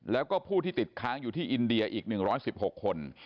แล้วก็ผู้ที่ติดค้างอยู่ที่อินเดียอีก๑๑๖คน